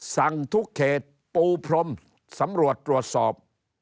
สั่งทุกเขตปูพรมสำรวจตรวจสอบ